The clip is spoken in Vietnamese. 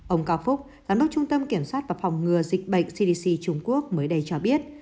ông cao phúc giám đốc trung tâm kiểm soát và phòng ngừa dịch bệnh cdc trung quốc mới đây cho biết